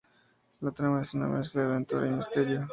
La trama es una mezcla de aventura y misterio.